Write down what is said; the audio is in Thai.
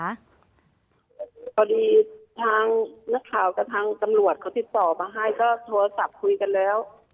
พอดีทางนักข่าวกับทางตำรวจเขาติดต่อมาให้ก็โทรศัพท์คุยกันแล้ว